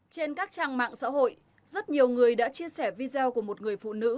trên các trang mạng xã hội rất nhiều người đã chia sẻ video của một người phụ nữ